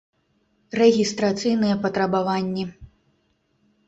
Рэгiстрацыйныя патрабаваннi